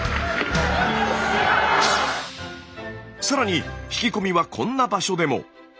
さらに引き込みはこんな場所でも。